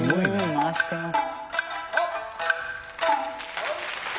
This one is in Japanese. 回してます。